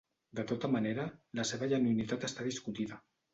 De tota manera, la seva genuïnitat està discutida.